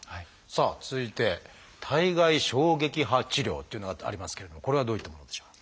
さあ続いて「体外衝撃波治療」というのがありますけれどこれはどういったものでしょう？